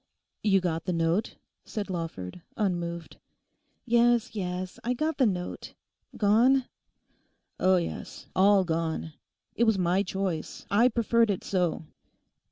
'You got the note?' said Lawford, unmoved. 'Yes, yes; I got the note.... Gone?' 'Oh, yes; all gone. It was my choice. I preferred it so.